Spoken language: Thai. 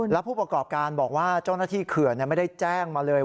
แล้วผู้ประกอบการบอกว่าเจ้าหน้าที่เขื่อนไม่ได้แจ้งมาเลย